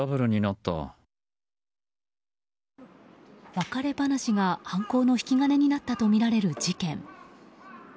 別れ話が、犯行の引き金になったとみられる事件。